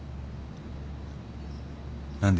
何で？